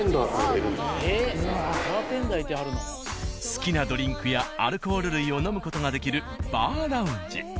好きなドリンクやアルコール類を飲む事ができるバーラウンジ。